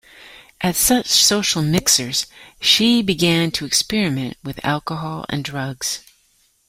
At such social mixers, she began to experiment with alcohol and drugs.